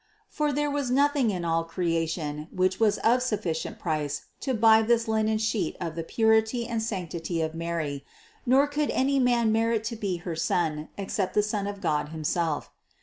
For there was nothing in all creation, which was of sufficient price to buy this linen sheet of the THE CONCEPTION 605 purity and sanctity of Mary, nor could any man merit to be her son, except the Son of God himself.